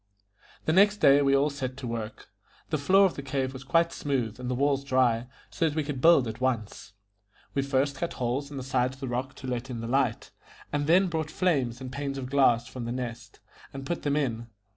The next day we all set to work; the floor of the cave was quite smooth, and the walls dry, so that we could build at once. We first cut holes in the sides of the rock to let in the light, and then brought frames and panes of glass from The Nest, and put them in.